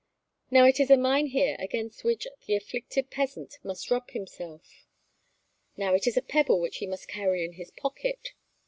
Now it is a maenhir, against which the afflicted peasant must rub himself; now it is a pebble which he must carry in his pocket.